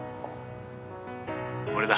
俺だ。